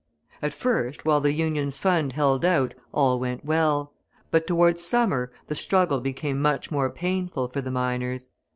At first, while the Union's funds held out, all went well, but towards summer the struggle became much more painful for the miners.